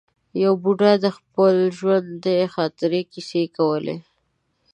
یو بوډا د خپل ژوند د خاطرې کیسې کولې.